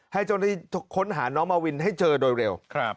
ให้เจ้าหน้าที่ค้นหาน้องมาวินให้เจอโดยเร็ว